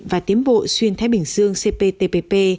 và tiến bộ xuyên thái bình dương cptpp